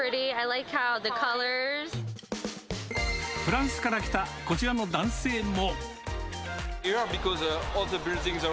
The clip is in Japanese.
フランスから来たこちらの男性も。